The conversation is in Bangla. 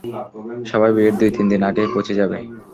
সবাই বিয়ের দুই তিনদিন আগেই পৌঁছে যাবে।